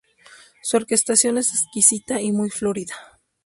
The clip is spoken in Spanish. Su orquestación es exquisita y muy florida.